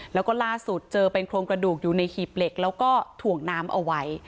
แล้วก็ล่าสุดเจอเป็นโครงกระดูกอยู่ในหีบเหล็กแล้วก็ถ่วงน้ำเอาไว้